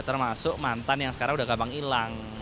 termasuk mantan yang sekarang udah gampang hilang